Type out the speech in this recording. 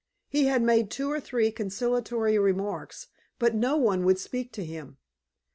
He had made two or three conciliatory remarks, but no one would speak to him.